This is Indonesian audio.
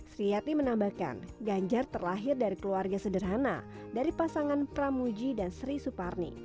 sri yati menambahkan ganjar terlahir dari keluarga sederhana dari pasangan pramuji dan sri suparni